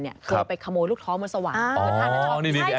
เกลียดไปขโมยลูกท้อเมืองสว่าง